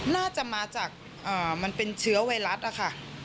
น่าจะมาจากมันเป็นเชื้อไวรัสนะคะ